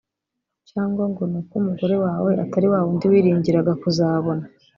cyangwa ngo ni uko umugore wawe atari wa wundi wiringiraga kuzabona